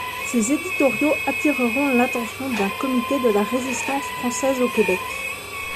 Ces éditoriaux attireront l'attention d'un comité de la Résistance française au Québec.